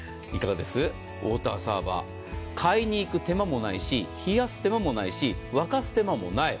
ウォーターサーバー買いに行く手間もないし冷やす手間もないし沸かす手間もない。